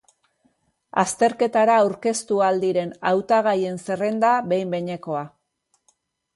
Azterketara aurkeztu ahal diren hautagaien zerrenda behin-behinekoa.